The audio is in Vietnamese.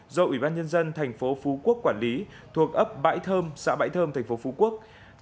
do ủy ban nhân dân thành phố phú quốc quản lý thuộc ấp bãi thơm xã bãi thơm thành phố phú quốc